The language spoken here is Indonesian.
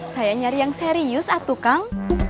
saya nyari yang serius atukang